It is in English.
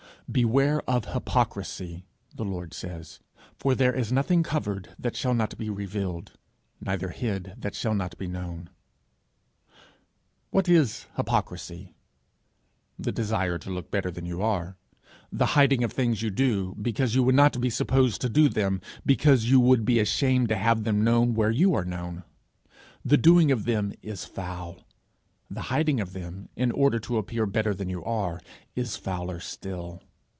'Beware of hypocrisy,' the Lord says, 'for there is nothing covered, that shall not be revealed, neither hid, that shall not be known,' What is hypocrisy? The desire to look better than you are; the hiding of things you do, because you would not be supposed to do them, because you would be ashamed to have them known where you are known. The doing of them is foul; the hiding of them, in order to appear better than you are, is fouler still.